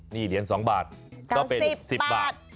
นี่เหรียญ๒บาทก็เป็น๑๐บาท